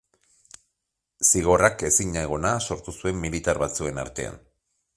Zigorrak ezinegona sortu zuen militar batzuen artean.